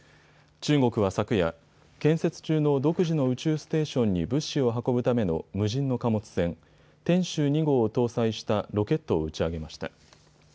中国は昨夜、建設中の独自の宇宙ステーションに物資を運ぶための無人の貨物船、天舟２号を搭載したロケットを打ち上げました。